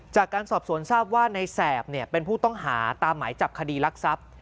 จากการสอบสวนทราบว่าในแสบเป็นผู้ต้องหาตามหมายจับคดีรักทรัพย์